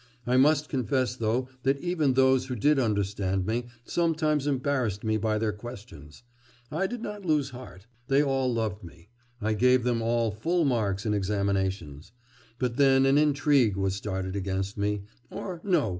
I must confess though that even those who did understand me sometimes embarrassed me by their questions. But I did not lose heart. They all loved me; I gave them all full marks in examinations. But then an intrigue was started against me or no!